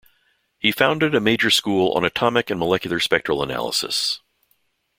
He founded a major school on atomic and molecular spectral analysis.